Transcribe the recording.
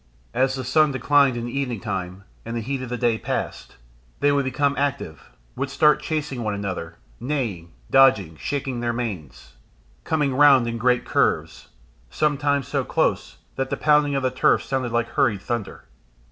As the sun declined in the evening time, and the heat of the day passed, they would become active, would start chasing one another, neighing, dodging, shaking their manes, coming round in great curves, sometimes so close that the pounding of the turf sounded like hurried thunder.